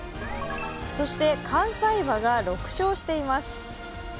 そして関西馬が６勝しています。